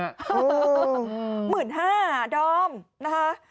โอ้โฮ๑๕๐๐๐ดอมนะคะ